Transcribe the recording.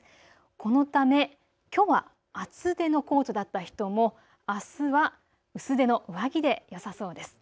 このためきょうは厚手のコートだった人も、あすは薄手の上着でよさそうです。